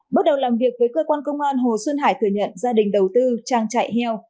bước đầu làm việc với cơ quan công an hồ xuân hải thừa nhận gia đình đầu tư trang trại heo